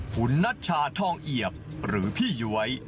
คุณนัชชาทองเอียบหรือพี่ย้วย